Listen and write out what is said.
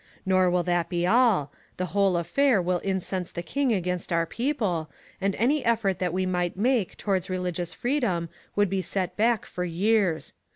Xor will that be all : the whole affair will incense the king against our people, and any effort that we might make towards religious freedom would be set back for years.